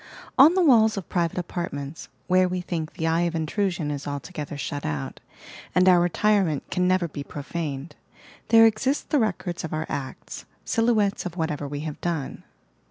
On the walla of private apartments, where we think the eye of intrusion is altogether shut out, and our retire ment can never be profaned, there exist the records of our acts, silhouettes of whatever we have done.